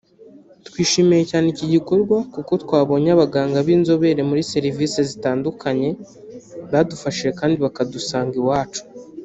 « Twishimiye cyane iki gikorwa kuko twabonye abaganga b’inzobere muri serivisi zitandukanye badufashije kandi bakadusanga iwacu »